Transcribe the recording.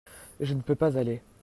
je ne peux pas aller.